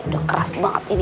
udah keras banget ini